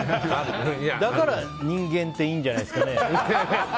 だから人間っていいんじゃないですかね。